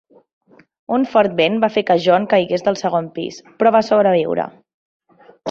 Un fort vent va fer que John caigués del segon pis, però va sobreviure.